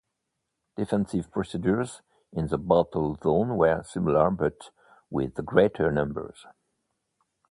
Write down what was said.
Defensive procedures in the battle zone were similar but with greater numbers.